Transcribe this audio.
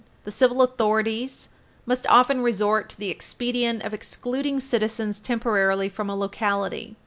The civil authorities must often resort to the expedient of excluding citizens temporarily from a locality.